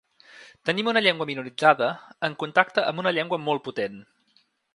Tenim una llengua minoritzada en contacte amb una llengua molt potent.